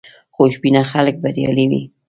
خوشبینه خلک بریالي وي.